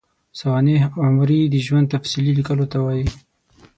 سوانح عمري د ژوند تفصیلي لیکلو ته وايي.